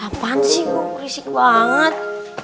apaan sih gue berisik banget